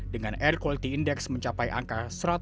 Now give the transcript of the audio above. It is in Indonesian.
dengan air quality index mencapai angka satu ratus delapan puluh